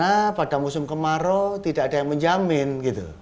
karena pada musim kemarau tidak ada yang menjamin gitu